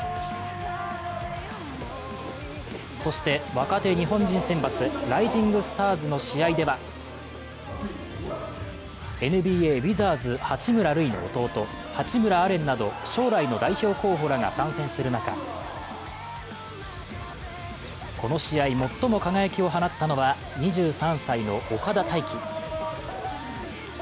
そして、若手日本人選抜ライジングスターズの試合では、ＮＢＡウィザーズ八村塁の弟、八村阿蓮など将来の代表候補らが参戦する中、この試合、最も輝きを放ったのは２３歳の岡田泰希。